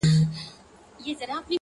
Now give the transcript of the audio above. هرکلي ته مې جانان خندان را ووت ،